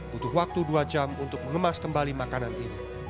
butuh waktu dua jam untuk mengemas kembali makanan ini